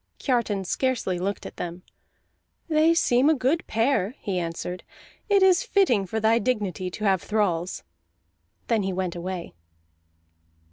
Kiartan scarcely looked at them. "They seem a good pair," he answered. "It is fitting for thy dignity to have thralls." Then he went away.